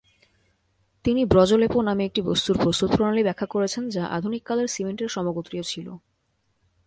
তিনি ব্রজলেপ নামে একটি বস্তুর প্রস্তুতপ্রণালী ব্যাখ্যা করেছেন যা আধুনিককালের সিমেন্টের সমগোত্রীয় ছিল।